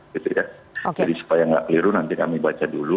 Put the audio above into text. jadi supaya tidak keliru nanti kami baca dulu